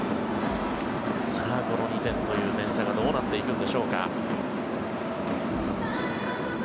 この２点という点差がどうなっていくんでしょうか。